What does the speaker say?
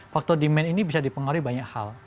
faktor demand ini bisa dipengaruhi banyak hal